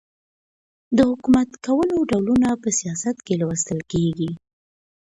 د حکومت کولو ډولونه په سیاست کي لوستل کیږي.